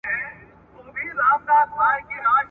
بلا وه، برکت ئې نه و.